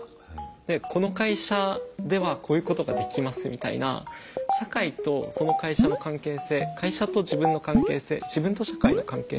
でこの会社ではこういうことができますみたいな社会とその会社の関係性会社と自分の関係性自分と社会の関係性。